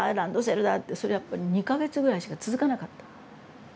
ってそれやっぱり２か月ぐらいしか続かなかった。